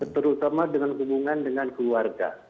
terutama dengan hubungan dengan keluarga